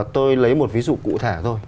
tôi lấy một ví dụ cụ thể thôi